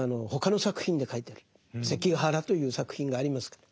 「関ヶ原」という作品がありますから。